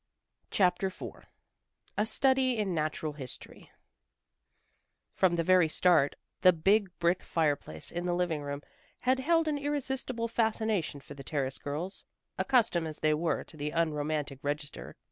CHAPTER IV A STUDY IN NATURAL HISTORY From the very start the big brick fireplace in the living room had held an irresistible fascination for the Terrace girls, accustomed as they were to the unromantic register.